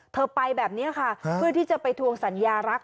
ไปแบบนี้ค่ะเพื่อที่จะไปทวงสัญญารักษ